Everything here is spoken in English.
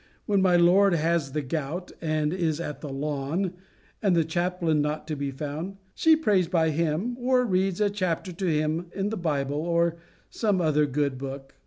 when my lord has the gout, and is at The Lawn, and the chaplain not to be found, she prays by him, or reads a chapter to him in the Bible, or some other good book.